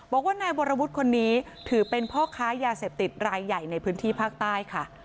บอกว่านายวรวุฒิคนนี้ถือเป็นพ่อค้ายาเสพติดรายใหญ่ในพื้นที่ภาคใต้ค่ะ